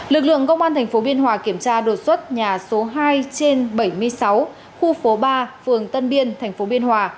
lực lượng công an tp biên hòa kiểm tra đột xuất nhà số hai trên bảy mươi sáu khu phố ba phường tân biên tp biên hòa